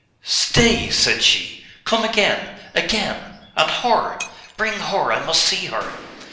'Stay!' said she. 'Come again! again! And her.... Bring her.... I must see her!